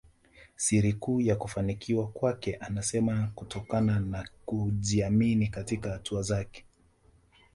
Siri kuu ya kufanikiwa kwake anasema kunatokana na kujiamini katika hatua zake